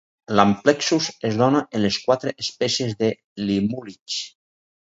L'amplexus es dóna en les quatre espècies de limúlids.